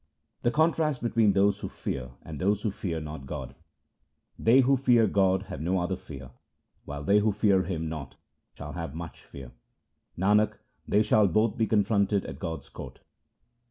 The contrast between those who fear and those who fear not God :— They who fear God, have no other fear, while they who fear Him not, shall have much 1 fear ; Nanak, they shall both be confronted at God's court.